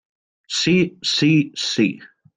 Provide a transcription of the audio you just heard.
Sí, sí, sí.